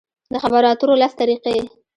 د خبرو اترو لس طریقې: